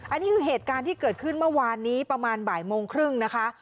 อันนี้คือเหตุการณ์ที่เกิดขึ้นเมื่อวานนี้ประมาณบ่ายโมงครึ่งนะคะ